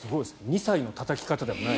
２歳のたたき方ではない。